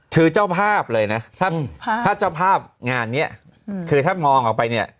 คือเจ้าภาพเลยนะถ้าเจ้าภาพงานนี้คือถ้ามองออกไปเนี่ย